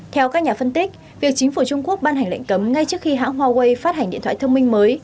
theo các nhà phân tích việc chính phủ trung quốc ban hành lệnh cấm ngay trước khi hãng huawei phát hành điện thoại thông minh mới